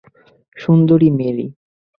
Sundari Mary.